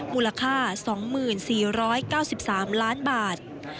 มูลค่า๒๔๙๓ล้านบาท